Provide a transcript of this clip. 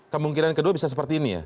kemungkinan kedua bisa seperti ini ya